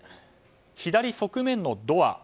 左側面のドア。